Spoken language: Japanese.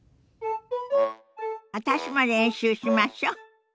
私も練習しましょ。